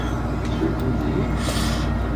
Tsurfemt-iyi?